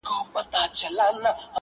مُلا وویله خدای مي نګهبان دی،